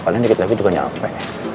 paling dikit lagi juga nyampe